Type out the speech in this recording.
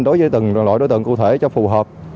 đối với từng loại đối tượng cụ thể cho phù hợp